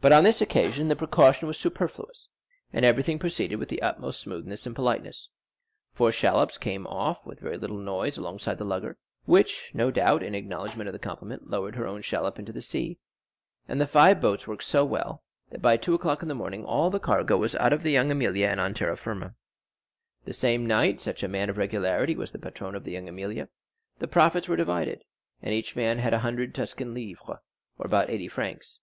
But on this occasion the precaution was superfluous, and everything proceeded with the utmost smoothness and politeness. Four shallops came off with very little noise alongside the lugger, which, no doubt, in acknowledgement of the compliment, lowered her own shallop into the sea, and the five boats worked so well that by two o'clock in the morning all the cargo was out of La Jeune Amélie and on terra firma. The same night, such a man of regularity was the patron of La Jeune Amélie, the profits were divided, and each man had a hundred Tuscan livres, or about eighty francs.